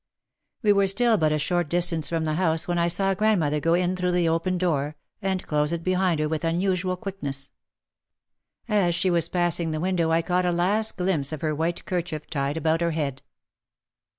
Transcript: We were still but a short distance from the house when I saw grandmother go in through the open door, and close it behind her with unusual quickness. As she was passing the window I caught a last glimpse of her white kerchief tied about her head.